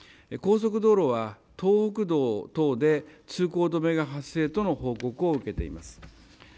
高速道路は東北道等で通行止めが発生との報告を受けています。